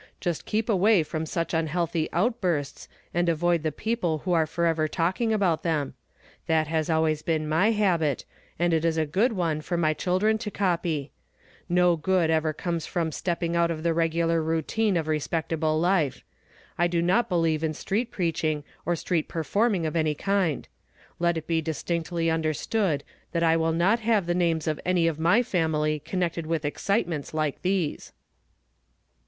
Just keep away from such unhealthy out bui sfcs, and avoid the people who are forever talk ing about them. That has always been my habit, and it is a good one for my cliiklren to copy. No good ever comes from stepping out of the regular routine of respectable life. I do not believe in street preaching, or street performing of any kind. Let it be distinctly understood that I will not have the na.nes of any of my family connected witli excitements like these."